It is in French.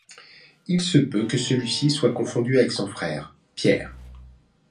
Il se peut que celui-ci soit confondu avec son frère, Pierre.